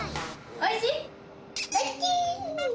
おいしい。